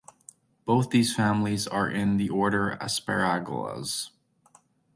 Both these families are in the order Asparagales.